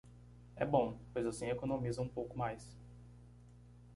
É bom, pois assim economiza um pouco mais